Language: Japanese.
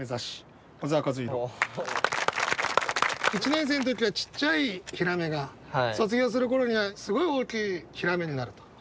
１年生の時はちっちゃいヒラメが卒業する頃にはすごい大きいヒラメになると。